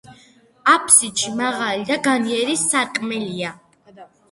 აფსიდში მაღალი და განიერი სარკმელია.